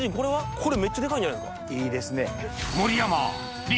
これめっちゃデカいんじゃないですか？